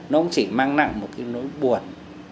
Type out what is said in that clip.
nó cũng chỉ mang nặng một cái nỗi buồn